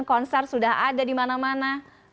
konser sudah ada di mana mana